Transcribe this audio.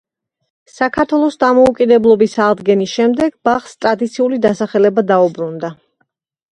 საქართველოს დამოუკიდებლობის აღდგენის შემდეგ ბაღს ტრადიციული დასახელება დაუბრუნდა.